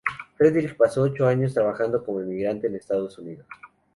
Friedrich pasó ocho años trabajando como emigrante en Estados Unidos.